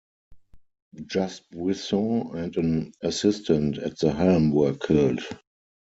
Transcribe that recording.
Just Buisson and an assistant at the helm were killed.